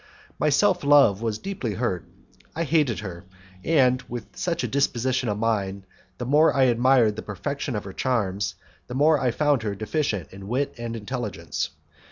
My self love was deeply hurt, I hated her, and, with such a disposition of mind, the more I admired the perfection of her charms, the more I found her deficient in wit and intelligence.